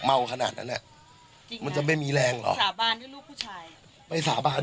เมาขนาดนั้นมันจะไม่มีแรงหรอ